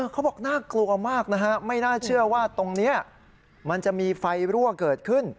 เขาบอกน่ากลัวมากนะฮะไม่น่าเชื่อว่าตรงนี้มันจะมีไฟรั่วเกิดขึ้น